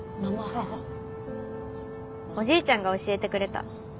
おじいちゃんが教えてくれた。